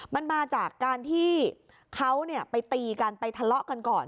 มันมาจากการที่เขาไปตีกันไปทะเลาะกันก่อน